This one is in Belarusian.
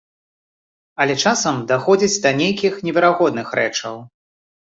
Але часам даходзіць да нейкіх неверагодных рэчаў.